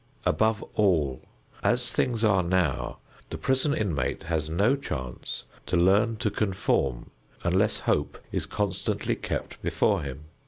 Above all, as things are now, the prison inmate has no chance to learn to conform unless hope is constantly kept before him.